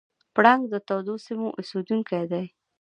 پړانګ د تودو سیمو اوسېدونکی دی.